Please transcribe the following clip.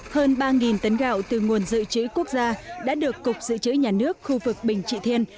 hơn ba tấn gạo từ nguồn dự trữ quốc gia đã được cục dự trữ nhà nước khu vực bình trị thiên